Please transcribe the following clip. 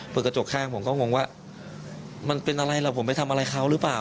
กระจกข้างผมก็งงว่ามันเป็นอะไรล่ะผมไปทำอะไรเขาหรือเปล่า